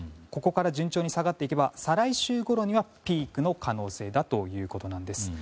ここから順調に下がっていけば再来週ごろにはピークの可能性だということです。